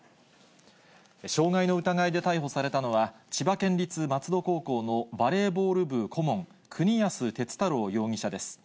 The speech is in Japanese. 傷害の疑いで逮捕されたのは、千葉県立松戸高校のバレーボール部顧問、国安鉄太郎容疑者です。